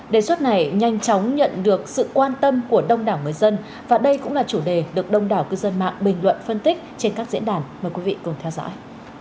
đề xuất này nhanh chóng nhận được sự quan tâm của đông đảo người dân và đây cũng là chủ đề được đông đảo cư dân mạng bình luận phân tích trên các diễn đàn mời quý vị cùng theo dõi